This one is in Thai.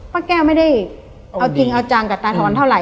ป้าแก้วไม่ได้เอาจริงเอาจังกับตาทอนเท่าไห